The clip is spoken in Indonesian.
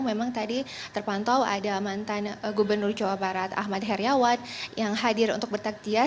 memang tadi terpantau ada mantan gubernur jawa barat ahmad heriawan yang hadir untuk bertaktiar